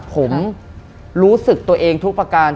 ผมรู้สึกตัวเองทุกประการ